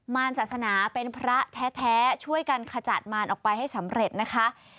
รศาสนาเป็นพระแท้ช่วยกันขจัดมารออกไปให้สำเร็จนะคะ